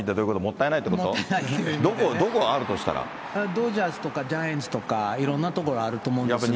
ドジャースとかジャイアンツとか、いろんな所あると思うんですが。